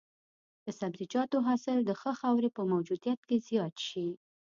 د سبزیجاتو حاصل د ښه خاورې په موجودیت کې زیات شي.